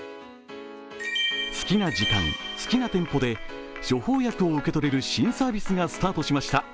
好きな時間、好きな店舗で処方薬を受け取れる新サービスがスタートしました。